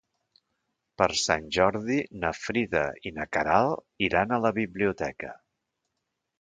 Per Sant Jordi na Frida i na Queralt iran a la biblioteca.